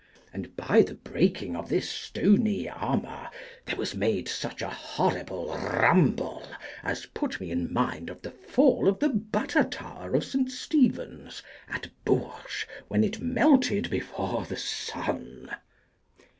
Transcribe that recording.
And by the breaking of this stony armour there was made such a horrible rumble as put me in mind of the fall of the butter tower of St. Stephen's at Bourges when it melted before the sun.